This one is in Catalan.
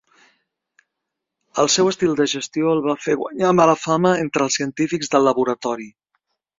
El seu estil de gestió el va fer guanyar mala fama entre els científics del laboratori.